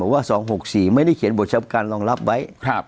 มีสิ่งว่า๒๖๔ไม่ได้เขียนบทชัพการรองรับไว้